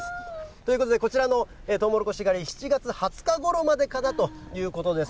ということでこちらのとうもろこし狩り、７月２０日ごろまでかなということです。